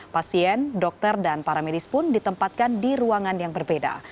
pasien dokter dan para medis pun ditempatkan di ruangan yang berbeda